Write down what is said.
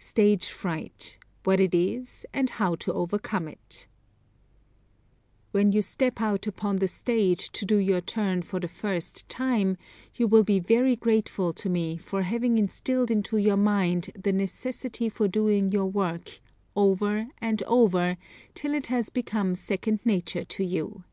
STAGE FRIGHT WHAT IT IS AND HOW TO OVERCOME IT When you step out upon the stage to do your turn for the first time, you will be very grateful to me for having instilled into your mind the necessity for doing your work over and over till it has become second nature to you.